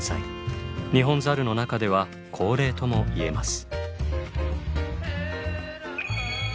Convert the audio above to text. ニホンザルの中では高齢とも言えます。